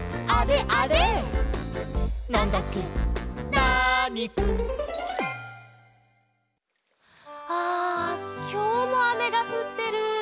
ナーニくん」あきょうもあめがふってる。